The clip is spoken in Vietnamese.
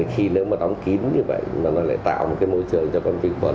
khi đóng kín như vậy nó lại tạo một môi trường cho con vi quần